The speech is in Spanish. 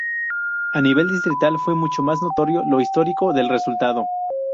A nivel distrital fue mucho más notorio lo histórico del resultado.